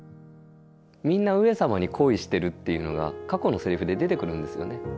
みんな上様に恋しているっていうのが過去のセリフで出てくるんですよね。